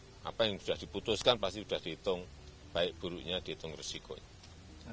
jadi apa yang sudah diputuskan pasti sudah dihitung baik buruknya dihitung risikonya